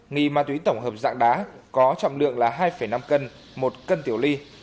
nghi ma túy tổng hợp dạng đá có trọng lượng là hai năm cân một cân tiểu ly